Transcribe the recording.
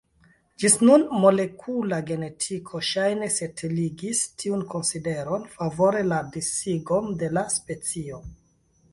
Ĝis nun molekula genetiko ŝajne setligis tiun konsideron favore la disigon de la specio.